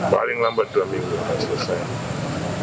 paling lambat dua minggu akan selesai